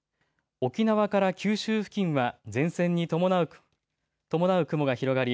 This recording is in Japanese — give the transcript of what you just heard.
沖縄から九州付近は前線に伴う雲が広がり